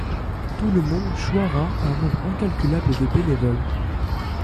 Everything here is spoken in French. Tout le monde choiera un nombre incalculable de bénévoles.